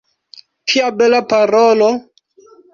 Kia bela parolo!